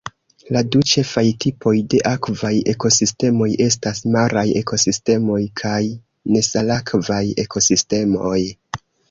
La du ĉefaj tipoj de akvaj ekosistemoj estas maraj ekosistemoj kaj nesalakvaj ekosistemoj.